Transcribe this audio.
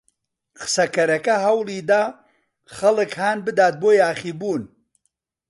قسەکەرەکە هەوڵی دا خەڵک هان بدات بۆ یاخیبوون.